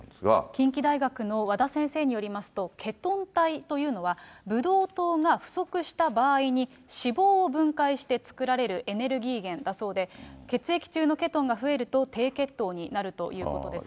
近畿大学の和田先生によりますと、ケトン体というのはブドウ糖が不足した場合に、脂肪を分解して作られるエネルギー源だそうで、血液中のケトンが増えると低血糖になるということですね。